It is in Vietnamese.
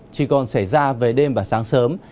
chỉ còn xảy ra về đêm và sáng sớm